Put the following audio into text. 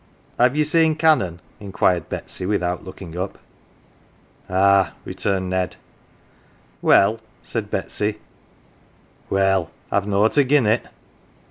." Have ye seen Canon ?" inquired Betsy, without looking up. " Ah," returned Ned. "Well? "said Betsy, " Well I've nought agin it."